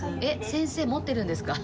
先生持ってるんですか？